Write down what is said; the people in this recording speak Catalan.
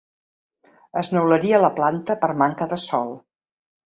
Es neularia la planta per manca de sol.